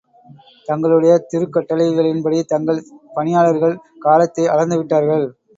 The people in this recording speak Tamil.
தங்களுடைய திருக் கட்டளையின் படி, தங்கள் பணியாளர்கள், காலத்தை அளந்து விட்டார்கள்.